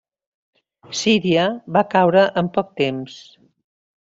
Síria va caure en poc temps.